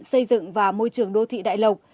xây dựng và môi trường đô thị đại lộc